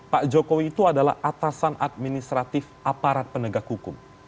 pak jokowi itu adalah atasan administratif aparat penegak hukum